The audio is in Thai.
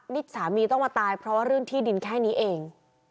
นี่สามีต้องมาตายเพราะว่าเรื่องที่ดินแค่นี้เอง